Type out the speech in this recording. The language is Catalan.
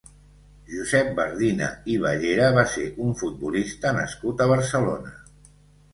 Josep Bardina i Ballera va ser un futbolista nascut a Barcelona.